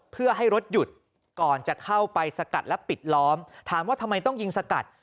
เพื่อให้รถหยุดก่อนจะเข้าไปสกัดและปิดล้อมถามว่าทำไมต้องยิงสกัด